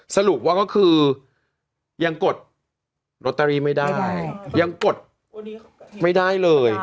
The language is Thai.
สรุปว่าก็คือยังกดลอตเตอรี่ไม่ได้ยังกดไม่ได้เลย